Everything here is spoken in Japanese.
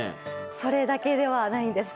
それだけではないんです。